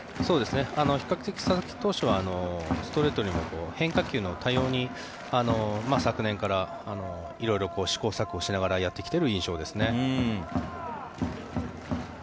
比較的、佐々木投手はストレートにも変化球に多様に昨年から色々、試行錯誤しながらやってきている印象ですね。